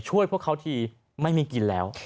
พวกเขาทีไม่มีกินแล้ว